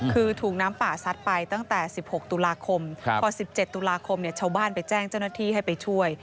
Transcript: คือถูกน้ำป่าซัดไปตั้งแต่๑๖ตุลาคมพอ๑๗ตุลาคมชาวบ้านไปแจ้งเจ้าหน้าที่ให้ไปช่วย